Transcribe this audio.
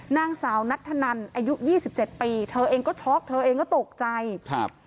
นางสาวนัทธนันอายุยี่สิบเจ็ดปีเธอเองก็ช็อกเธอเองก็ตกใจครับ